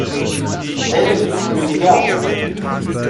Dasselbe gilt für die Werbung.